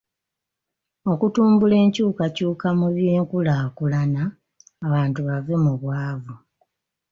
Okutumbula enkyukakyuka mu by'enkulaakulana abantu bave mu bwavu.